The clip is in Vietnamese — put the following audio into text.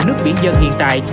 nước biển dân hiện tại